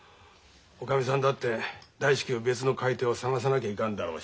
おかみさんだって大至急別の買い手を探さなきゃいかんだろうし。